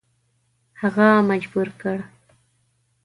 هغه مجبور کړ.